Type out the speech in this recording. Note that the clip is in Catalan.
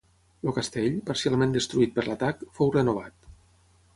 El castell, parcialment destruït per l'atac, fou renovat.